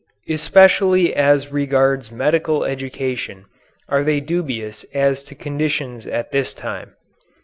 Especially as regards medical education are they dubious as to conditions at this time.